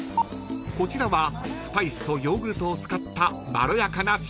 ［こちらはスパイスとヨーグルトを使ったまろやかなチキン］